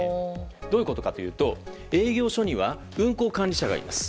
どういうことかというと営業所には運航管理者がいます。